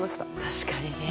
確かにね。